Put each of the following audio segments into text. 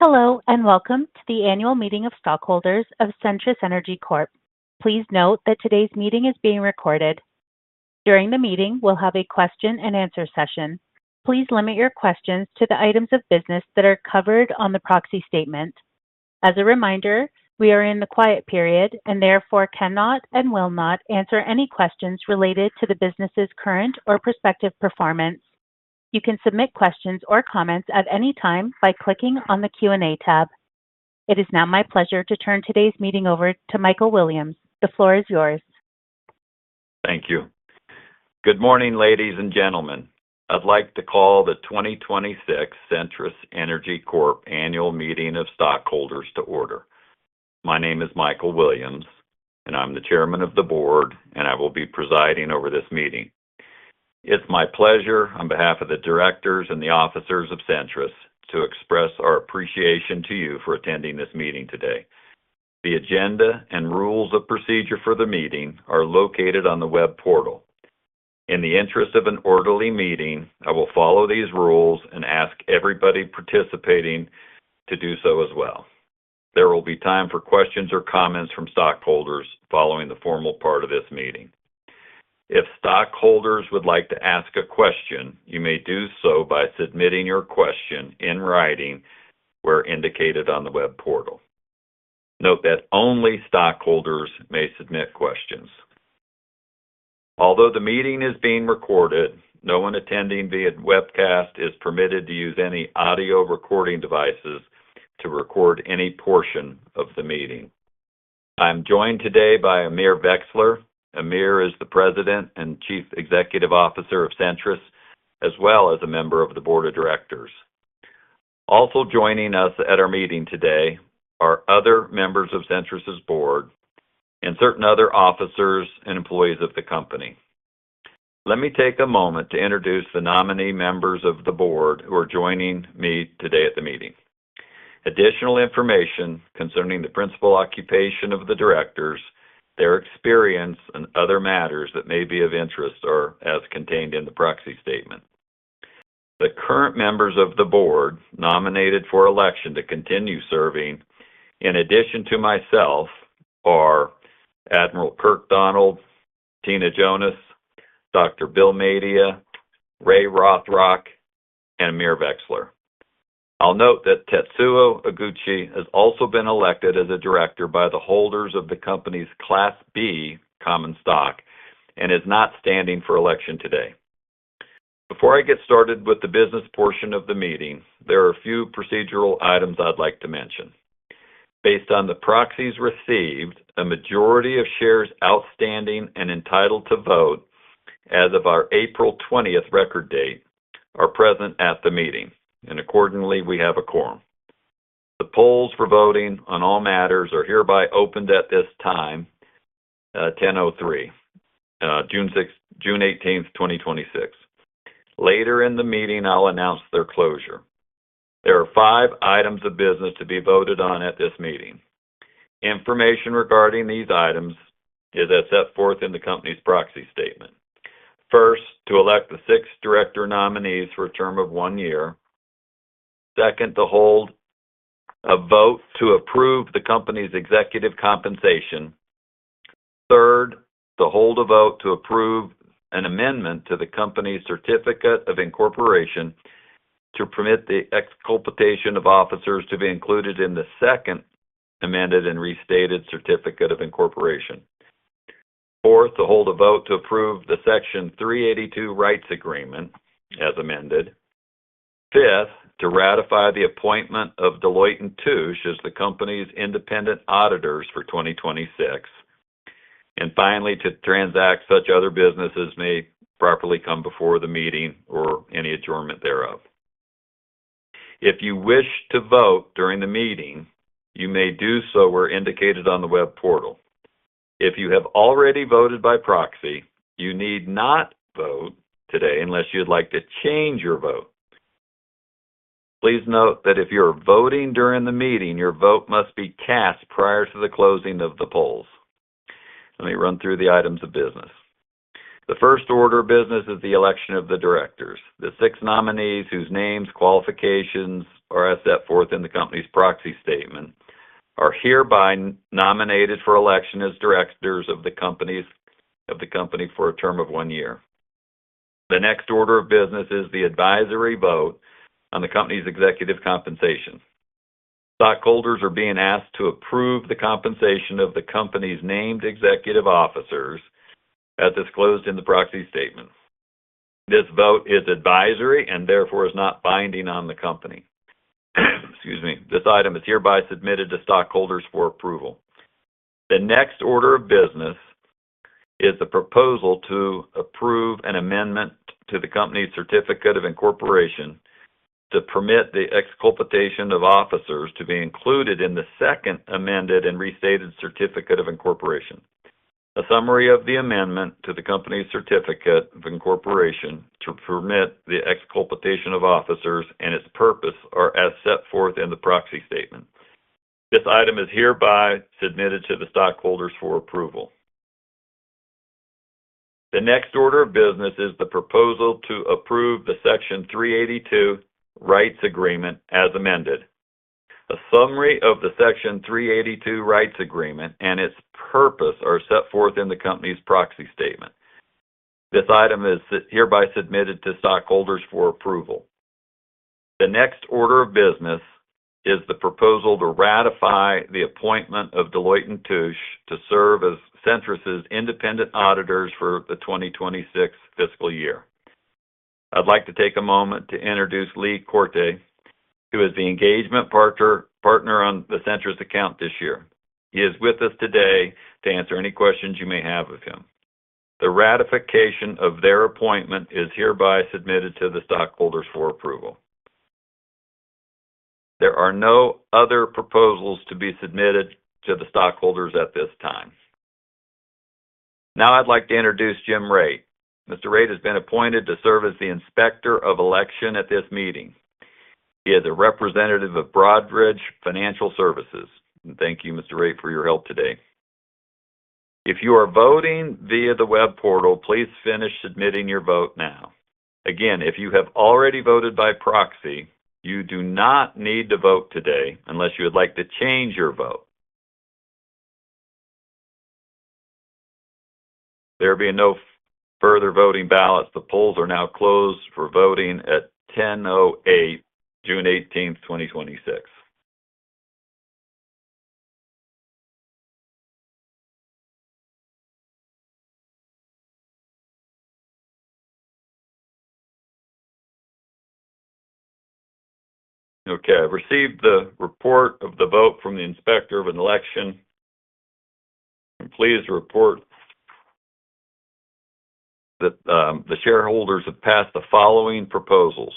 Hello, and welcome to the annual meeting of stockholders of Centrus Energy Corp. Please note that today's meeting is being recorded. During the meeting, we'll have a question and answer session. Please limit your questions to the items of business that are covered on the proxy statement. As a reminder, we are in the quiet period and therefore cannot and will not answer any questions related to the business's current or prospective performance. You can submit questions or comments at any time by clicking on the Q&A tab. It is now my pleasure to turn today's meeting over to Mikel Williams. The floor is yours. Thank you. Good morning, ladies and gentlemen. I'd like to call the 2026 Centrus Energy Corp annual meeting of stockholders to order. My name is Mikel Williams, and I'm the Chairman of the Board, and I will be presiding over this meeting. It's my pleasure on behalf of the Directors and the officers of Centrus to express our appreciation to you for attending this meeting today. The agenda and rules of procedure for the meeting are located on the web portal. In the interest of an orderly meeting, I will follow these rules and ask everybody participating to do so as well. There will be time for questions or comments from stockholders following the formal part of this meeting. If stockholders would like to ask a question, you may do so by submitting your question in writing where indicated on the web portal. Note that only stockholders may submit questions. Although the meeting is being recorded, no one attending via webcast is permitted to use any audio recording devices to record any portion of the meeting. I'm joined today by Amir Vexler. Amir is the President and Chief Executive Officer of Centrus, as well as a member of the Board of Directors. Also joining us at our meeting today are other members of Centrus's board and certain other officers and employees of the company. Let me take a moment to introduce the nominee members of the board who are joining me today at the meeting. Additional information concerning the principal occupation of the Directors, their experience, and other matters that may be of interest are as contained in the proxy statement. The current members of the board nominated for election to continue serving, in addition to myself, are Admiral Kirk Donald, Tina Jonas, Dr. Bill Madia, Ray Rothrock, and Amir Vexler. I'll note that Tetsuo Iguchi has also been elected as a Director by the holders of the company's Class B common stock and is not standing for election today. Before I get started with the business portion of the meeting, there are a few procedural items I'd like to mention. Based on the proxies received, a majority of shares outstanding and entitled to vote as of our April 20th record date are present at the meeting. Accordingly, we have a quorum. The polls for voting on all matters are hereby opened at this time, 10:03 A.M., June 18th, 2026. Later in the meeting, I'll announce their closure. There are five items of business to be voted on at this meeting. Information regarding these items is as set forth in the company's proxy statement. First, to elect the six director nominees for a term of one year. Second, to hold a vote to approve the company's executive compensation. Third, to hold a vote to approve an amendment to the company's certificate of incorporation to permit the exculpation of officers to be included in the second amended and restated certificate of incorporation. Fourth, to hold a vote to approve the Section 382 Rights Agreement as amended. Fifth, to ratify the appointment of Deloitte & Touche as the company's independent auditors for 2026. Finally, to transact such other business as may properly come before the meeting or any adjournment thereof. If you wish to vote during the meeting, you may do so where indicated on the web portal. If you have already voted by proxy, you need not vote today unless you'd like to change your vote. Please note that if you're voting during the meeting, your vote must be cast prior to the closing of the polls. Let me run through the items of business. The first order of business is the election of the directors. The six nominees whose names, qualifications, are as set forth in the company's proxy statement are hereby nominated for election as directors of the company for a term of one year. The next order of business is the advisory vote on the company's executive compensation. Stockholders are being asked to approve the compensation of the company's named executive officers as disclosed in the proxy statement. This vote is advisory and therefore is not binding on the company. Excuse me. This item is hereby submitted to stockholders for approval. The next order of business is the proposal to approve an amendment to the company's certificate of incorporation to permit the exculpation of officers to be included in the second amended and restated certificate of incorporation. A summary of the amendment to the company's certificate of incorporation to permit the exculpation of officers and its purpose are as set forth in the proxy statement. This item is hereby submitted to the stockholders for approval. The next order of business is the proposal to approve the Section 382 Rights Agreement as amended. A summary of the Section 382 Rights Agreement and its purpose are set forth in the company's proxy statement. This item is hereby submitted to stockholders for approval. The next order of business is the proposal to ratify the appointment of Deloitte & Touche to serve as Centrus' independent auditors for the 2026 fiscal year. I'd like to take a moment to introduce Lee Corte, who is the engagement partner on the Centrus account this year. He is with us today to answer any questions you may have of him. The ratification of their appointment is hereby submitted to the stockholders for approval. There are no other proposals to be submitted to the stockholders at this time. Now I'd like to introduce Jim Rate. Mr. Rate has been appointed to serve as the Inspector of Election at this meeting. He is a representative of Broadridge Financial Solutions. Thank you, Mr. Rate, for your help today. If you are voting via the web portal, please finish submitting your vote now. Again, if you have already voted by proxy, you do not need to vote today unless you would like to change your vote. There being no further voting ballots, the polls are now closed for voting at 10:08, June 18th, 2026. I've received the report of the vote from the Inspector of Election. I'm pleased to report that the shareholders have passed the following proposals.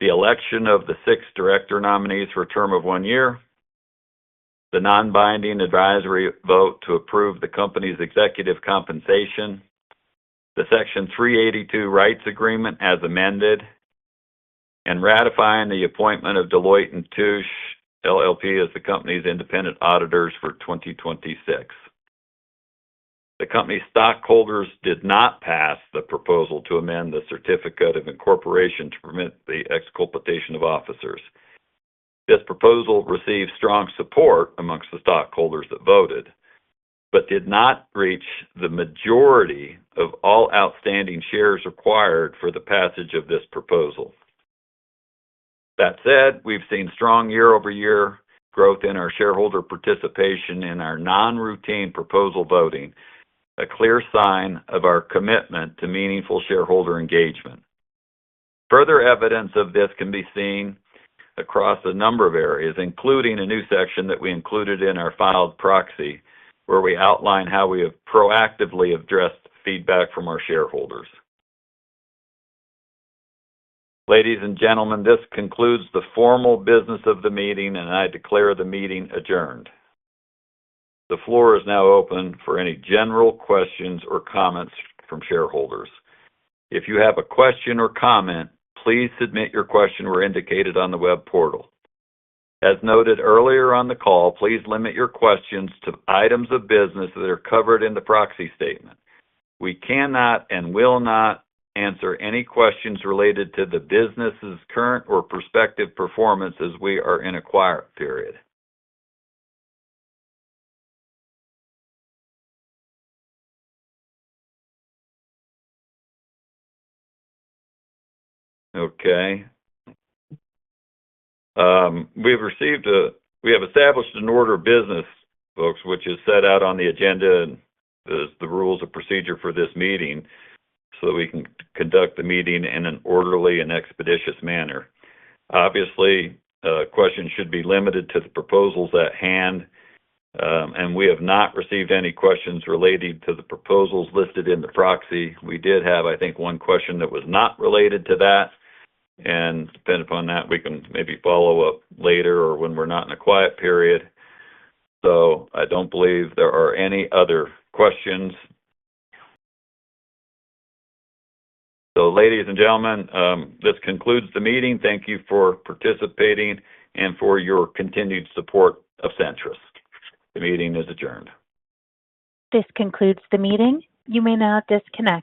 The election of the six director nominees for a term of one year, the non-binding advisory vote to approve the company's executive compensation, the Section 382 Rights Agreement as amended, and ratifying the appointment of Deloitte & Touche LLP as the company's independent auditors for 2026. The company's stockholders did not pass the proposal to amend the certificate of incorporation to permit the exculpation of officers. This proposal received strong support amongst the stockholders that voted but did not reach the majority of all outstanding shares required for the passage of this proposal. We've seen strong year-over-year growth in our shareholder participation in our non-routine proposal voting, a clear sign of our commitment to meaningful shareholder engagement. Further evidence of this can be seen across a number of areas, including a new section that we included in our filed proxy, where we outline how we have proactively addressed feedback from our shareholders. Ladies and gentlemen, this concludes the formal business of the meeting. I declare the meeting adjourned. The floor is now open for any general questions or comments from shareholders. If you have a question or comment, please submit your question where indicated on the web portal. As noted earlier on the call, please limit your questions to items of business that are covered in the proxy statement. We cannot and will not answer any questions related to the business's current or prospective performance as we are in a quiet period. We have established an order of business, folks, which is set out on the agenda and the rules of procedure for this meeting so that we can conduct the meeting in an orderly and expeditious manner. Obviously, questions should be limited to the proposals at hand. We have not received any questions relating to the proposals listed in the proxy. We did have, I think, one question that was not related to that. Depending upon that, we can maybe follow up later or when we're not in a quiet period. I don't believe there are any other questions. Ladies and gentlemen, this concludes the meeting. Thank you for participating and for your continued support of Centrus. The meeting is adjourned. This concludes the meeting. You may now disconnect